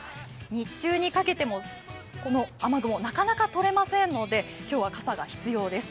日中にかけてもこの雨雲、なかなかとれませんので、今日は傘が必要です。